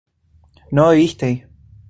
no bebisteis